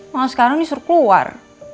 malah sekarang disuruh keluar